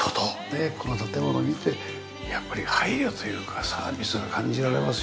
ねこの建物見てやっぱり配慮というかサービスが感じられますよね。